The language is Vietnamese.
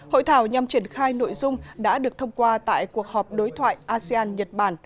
hội thảo nhằm triển khai nội dung đã được thông qua tại cuộc họp đối thoại asean nhật bản